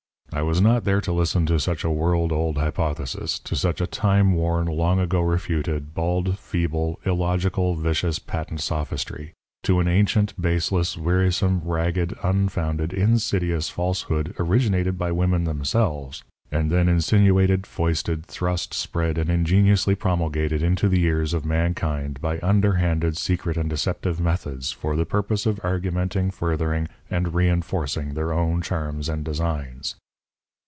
I was not there to listen to such a world old hypothesis to such a time worn, long ago refuted, bald, feeble, illogical, vicious, patent sophistry to an ancient, baseless, wearisome, ragged, unfounded, insidious, falsehood originated by women themselves, and by them insinuated, foisted, thrust, spread, and ingeniously promulgated into the ears of mankind by underhanded, secret and deceptive methods, for the purpose of augmenting, furthering, and reinforcing their own charms and designs.